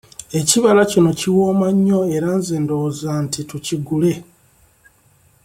Ekibala kino kiwooma nnyo era nze ndowooza nti tukigule.